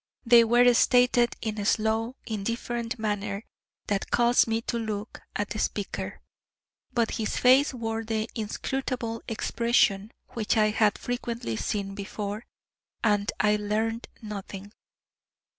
They were stated in a slow, indifferent manner that caused me to look at the speaker, but his face wore the inscrutable expression which I had frequently seen before, and I learned nothing.